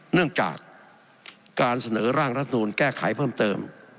เนื่องจากการเสนอร่างรัฐมนูลแก้ไขเพิ่มเติม